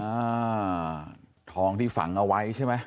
อ่าทองที่ฝังเอาไว้ใช่ไหม